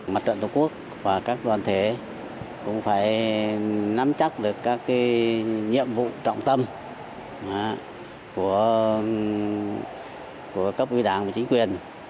mặt trận tổ quốc và các đoàn thể cũng phải nắm chắc được các nhiệm vụ trọng tâm của cấp ủy đảng và chính quyền